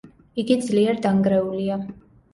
იგი ძლიერ დანგრეულია.